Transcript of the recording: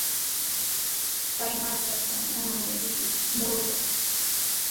Kay markatraw manami pipis murunku.